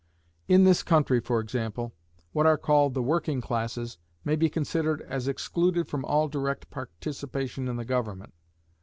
In this country, for example, what are called the working classes may be considered as excluded from all direct participation in the government.